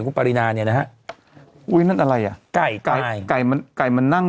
คุณปรินาเนี่ยนะฮะอุ้ยนั่นอะไรอ่ะไก่ไก่ไก่มันไก่มันนั่ง